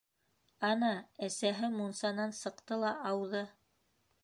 Ана, әсәһе мунсанан сыҡты ла ауҙы.